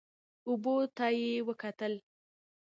اوبو ته یې وکتل.